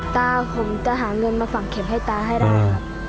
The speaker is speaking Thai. ตาผมจะหาเงินมาฝังเข็มให้ตาให้ได้ครับ